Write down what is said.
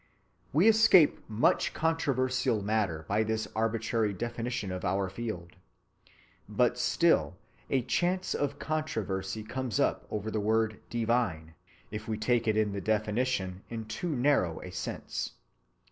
We escape much controversial matter by this arbitrary definition of our field. But, still, a chance of controversy comes up over the word "divine" if we take it in the definition in too narrow a sense.